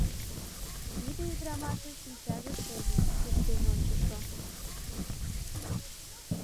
Тиде ӱдырамашын шинчаже шеме, кӱштен ончышо.